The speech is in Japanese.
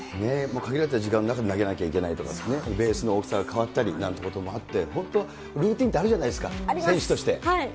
限られた時間の中で投げなきゃいけないとか、ベースの大きさが変わったりなんていうこともあって、本当、ルーティンってあるじゃないですか、選手として。あります。